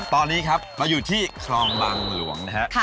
ตอนนี้ครับมาอยู่ที่คลองบางหลวงนะฮะ